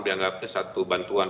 dianggapnya satu bantuan